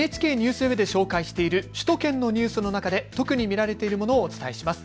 ＮＨＫＮＥＷＳＷＥＢで紹介している首都圏のニュースの中で特に見られているものをお伝えします。